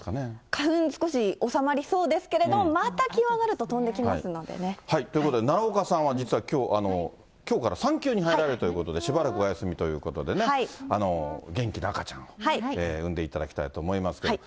花粉、少し収まりそうですけれども、また気温上がると飛んできますんでね。ということで、奈良岡さんは実はきょうから産休に入られるということで、しばらくお休みということでね、元気な赤ちゃんを産んでいただきたいと思いますけれども。